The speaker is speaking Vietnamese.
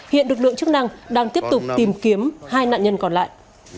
hiện lực lượng chức năng đang tiếp tục tìm kiếm hai nạn nhân còn lại